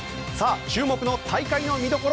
注目の大会の見どころ